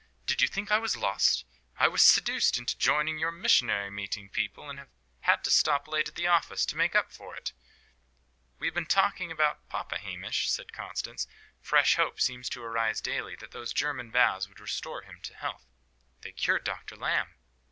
"Did you think I was lost? I was seduced into joining your missionary meeting people, and have had to stop late at the office, to make up for it." "We have been talking about papa, Hamish," said Constance. "Fresh hope seems to arise daily that those German baths would restore him to health. They cured Dr. Lamb."